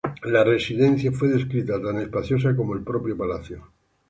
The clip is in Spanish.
La residencia fue descrita tan espaciosa como el propio palacio.